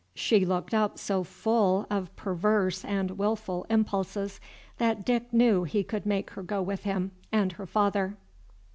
She looked up so full of perverse and wilful impulses, that Dick knew he could make her go with him and her father.